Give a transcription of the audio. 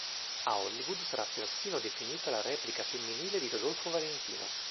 A Hollywood sarà persino definita la replica femminile di Rodolfo Valentino.